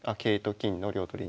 金の両取り。